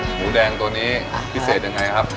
หมูแดงตัวนี้พิเศษยังไงครับ